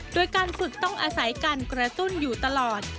โดยการฝึกต้องอาศัยการกระตุ้นอยู่ตลอด